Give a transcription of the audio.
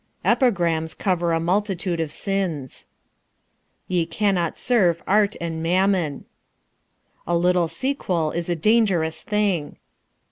Epigrams cover a multitude of sins. Ye can not serve Art and Mammon. A little sequel is a dangerous thing.